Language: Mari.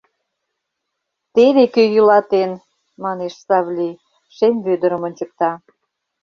Теве кӧ йӱлатен! — манеш Савли, Шем Вӧдырым ончыкта.